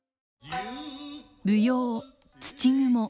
舞踊「土蜘」。